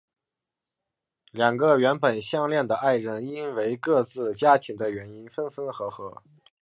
两个原本相恋的爱人因为各自家庭的原因分分合合。